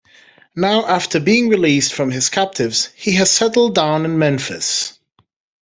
Now after being released from his captives, he has settled down in Memphis.